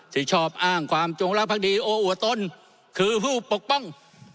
ที่ชอบอ้างความจงรักภักดีโออัวตนคือผู้ปกป้อง